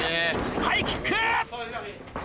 ハイキック！